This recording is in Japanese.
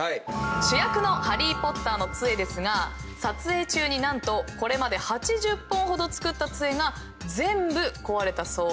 主役のハリー・ポッターの杖ですが撮影中に何とこれまで８０本ほど作った杖が全部壊れたそうです。